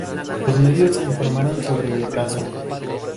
Los medios informaron sobre el caso.